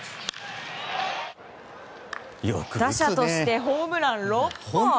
打者としてホームラン６本。